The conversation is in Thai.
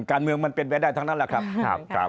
การเมืองมันเป็นไปได้ทั้งนั้นแหละครับ